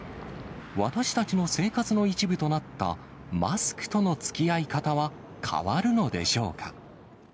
私たちの生活の一部となったマスクとのつきあい方は変わるのでしょうか。